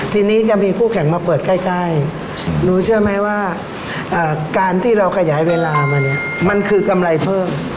ทีนี้จะมีคู่แข่งมาเปิดใกล้หนูเชื่อไหมว่าการที่เราขยายเวลามาเนี่ยมันคือกำไรเพิ่ม